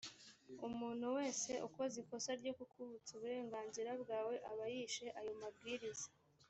umuntu wese ukoze ikosa ryo kukuvutsa uburenganzira bwawe aba yishe ayo mabwiriza